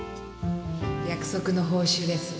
約束の報酬です。